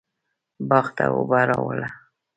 باغ ته اوبه راواړوه